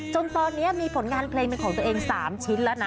จนตอนนี้มีผลงานเพลงเป็นของตัวเอง๓ชิ้นแล้วนะ